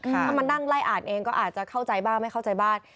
ถ้ามานั่งไล่อ่านเองก็อาจจะเข้าใจบ้างไม่เข้าใจบ้าง